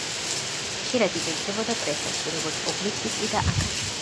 ხშირად იბეჭდებოდა პრესაში, როგორც პუბლიცისტი და აქაც თქვა თავისი სიტყვა.